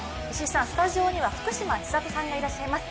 スタジオには福島千里さんがいらっしゃいます。